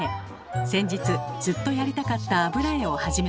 先日ずっとやりたかった油絵を始めました。